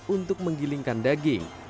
untuk menggilingkan daging